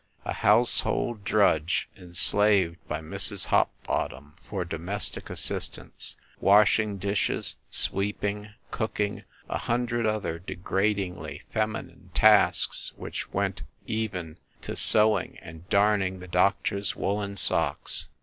A household drudge, enslaved by Mrs. Hopbottom for domestic assistance, wash ing dishes, sweeping, cooking, a hundred other de gradingly feminine tasks which went even to sewing and darning the doctor s woolen socks.